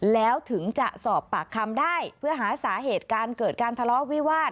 แล้วถึงจะสอบปากคำได้เพื่อหาสาเหตุการเกิดการทะเลาะวิวาส